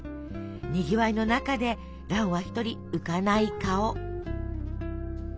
にぎわいの中で蘭は一人浮かない顔。